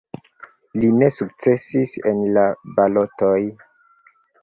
Li ne sukcesis en la balotoj.